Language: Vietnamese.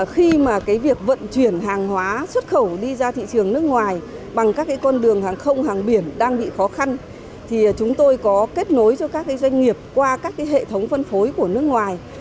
khi mà cái việc vận chuyển hàng hóa xuất khẩu đi ra thị trường nước ngoài bằng các con đường hàng không hàng biển đang bị khó khăn thì chúng tôi có kết nối cho các doanh nghiệp qua các hệ thống phân phối của nước ngoài